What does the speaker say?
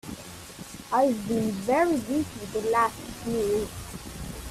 I've been very busy the last few weeks.